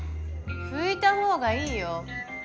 拭いたほうがいいよ。